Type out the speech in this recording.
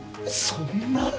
そんな。